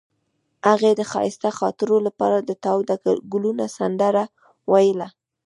هغې د ښایسته خاطرو لپاره د تاوده ګلونه سندره ویله.